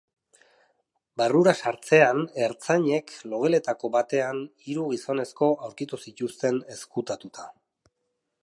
Barrura sartzean, ertzainek logeletako batean hiru gizonezko aurkitu zituzten ezkutatuta.